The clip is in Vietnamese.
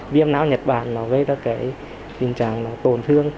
viêm nã nhật bản nó gây ra cái tình trạng tổn thương